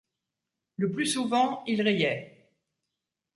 Le plus souvent, il riait.